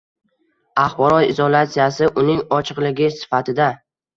axborot izolyatsisi – uning ochiqligi sifatida;